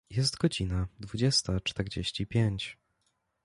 Jest godzina dwudziesta czterdzieści pięć.